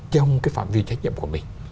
trong cái phạm vi trách nhiệm của mình